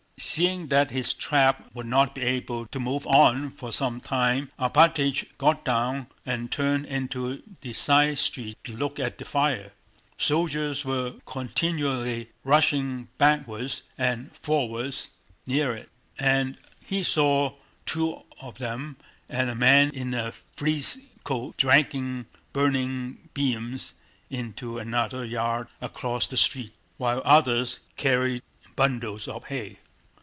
Seeing that his trap would not be able to move on for some time, Alpátych got down and turned into the side street to look at the fire. Soldiers were continually rushing backwards and forwards near it, and he saw two of them and a man in a frieze coat dragging burning beams into another yard across the street, while others carried bundles of hay.